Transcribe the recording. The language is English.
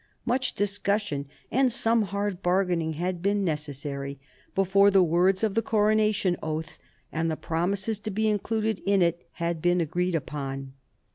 Much discussion and some hard bargaining had been necessary before the words of the coronation oath, and the promises to be included in it, had been agreed upon.